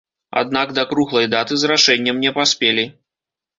Аднак да круглай даты з рашэннем не паспелі.